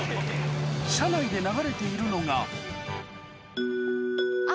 車内で流れているのが。